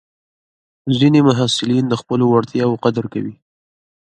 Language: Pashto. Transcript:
ځینې محصلین د خپلو وړتیاوو قدر کوي.